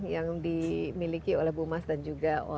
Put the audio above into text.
yang dimiliki oleh bumas dan juga